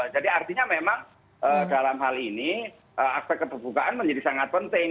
jadi artinya memang dalam hal ini aspek kebukaan menjadi sangat penting